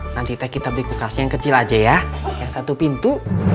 nanti teh kita beli bekasnya yang kecil aja ya yang satu pintu